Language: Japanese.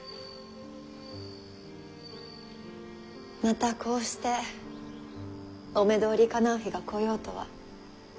またこうしてお目通りかなう日が来ようとは。